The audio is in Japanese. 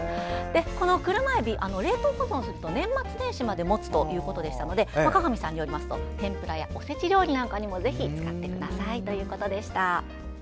このクルマエビ冷凍保存すると年末年始までもつということでしたので加々見さんによると天ぷらやおせち料理にも使ってくださいということでした。